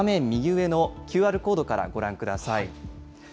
右上のＱＲコードからご覧ください。